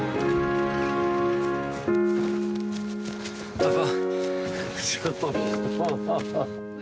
パパ。